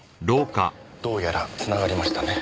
どうやらつながりましたね。